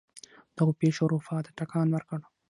دغو پېښو اروپا ته ټکان ورکړ.